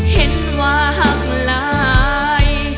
เห็นว่าหักหลาย